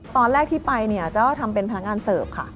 ตอนแรกที่ไปเนี่ยเจ้าทำเป็นพนักงานเสิร์ฟค่ะ